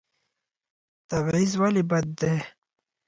تبعیض ولې بد دی؟